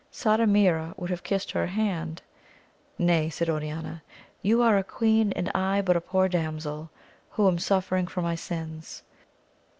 Sardamira would have kissed her hand. Nay said Oriana, you are a queen and I but a poor damsel, who am suffering for my sins